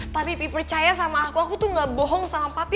tapi pie percaya sama aku aku tuh gak bohong sama papi